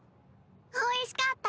おいしかった！